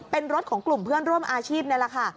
เป็นรถของกลุ่มเพื่อนร่วมอาชีพนี่แหละค่ะ